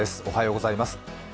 おはようございます。